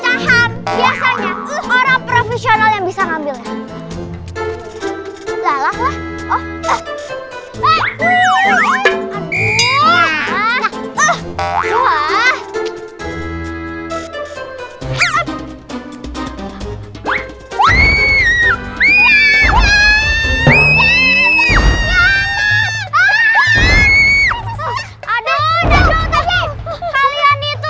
bagaimana itu berisik banget ya cuma nyamadang saya mau jalanulan sekarang